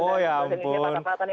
oh ya ampun